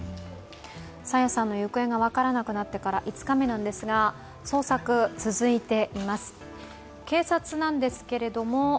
朝芽さんの行方が分からなくなってから５日目なんですが捜索、続いています。